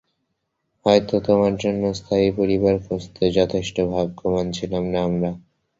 হয়তো তোমার জন্য স্থায়ী পরিবার খুঁজতে যথেষ্ট ভাগ্যবান ছিলাম না আমরা।